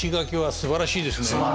すばらしいですね。